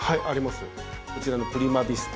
こちらのプリマヴィスタ。